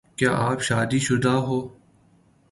کیا آپ شادی شدہ ہو